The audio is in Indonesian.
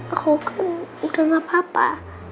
aku kan udah gak apa apa